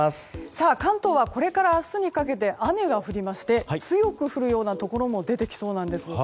関東はこれから明日にかけて雨が降りまして強く降るようなところも出てきそうなんです。